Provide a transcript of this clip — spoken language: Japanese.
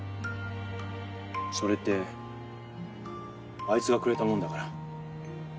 それってあいつがくれたものだから。